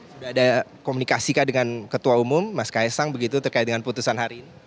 sudah ada komunikasi dengan ketua umum mas kaisang begitu terkait dengan putusan hari ini